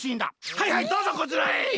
はいはいどうぞこちらへ！